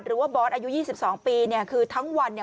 บอสอายุ๒๒ปีเนี่ยคือทั้งวันเนี่ย